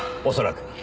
おそらく。